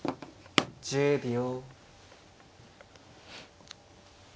１０秒。